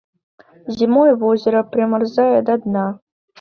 Зімой возера прамярзае да дна.